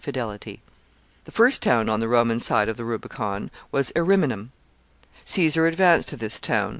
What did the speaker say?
] The first town on the Roman side of the Rubicon was Ariminum. Caesar advanced to this town.